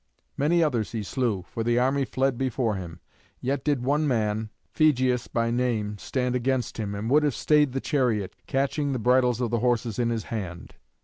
Many others he slew, for the army fled before him. Yet did one man, Phegeus by name, stand against him, and would have stayed the chariot, catching the bridles of the horses in his hand.